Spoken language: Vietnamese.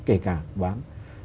kể cả bán